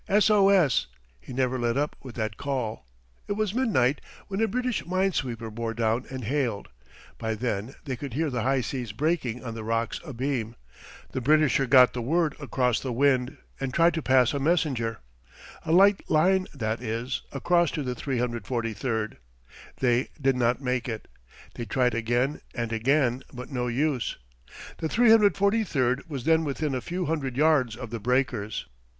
S O S he never let up with that call. It was midnight when a British mine sweeper bore down and hailed. By then they could hear the high seas breaking on the rocks abeam. The Britisher got the word across the wind, and tried to pass a messenger a light line, that is across to the 343. They did not make it. They tried again and again, but no use. The 343 was then within a few hundred yards of the breakers.